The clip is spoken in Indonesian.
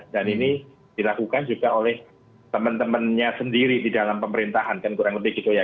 dan ini dilakukan juga oleh temen temennya sendiri di dalam pemerintahan kan kurang lebih gitu ya